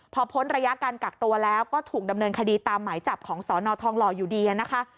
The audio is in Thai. พอพ้นระยะการกักตัวแล้วก็ถูกดำเนินคดีตามหมายจับของสนทองหล่ออยู่ดีนะคะ